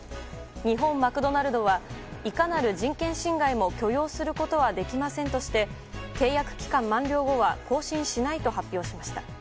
日本マクドナルドは、いかなる人権侵害も許容することはできませんとして、契約期間満了後は更新しないと発表しました。